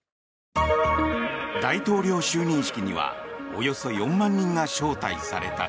大統領就任式にはおよそ４万人が招待された。